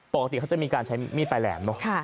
ปกติเขาจะมีการใช้มีดปลายแหลมเนอะ